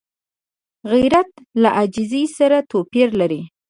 غیرت له عاجزۍ سره توپیر لري